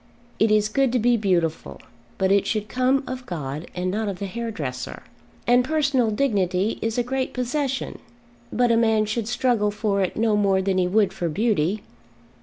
It is good to be beautiful, but it should come of God and not of the hairdresser. And personal dignity is a great possession; but a man should struggle for it no more than he would for beauty.